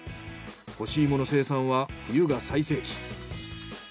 干し芋の生産は冬が最盛期。